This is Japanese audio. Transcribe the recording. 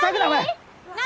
何？